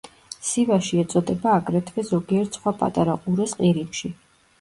სივაში ეწოდება აგრეთვე ზოგიერთ სხვა პატარა ყურეს ყირიმში.